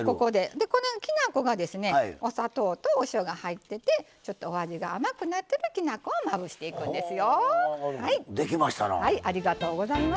きな粉がお砂糖とお塩が入っててちょっとお味が甘くなっていますがきな粉をまぶしていくんですよ。